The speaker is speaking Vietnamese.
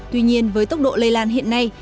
tuy nhiên với tốc độ lây lan hiện nay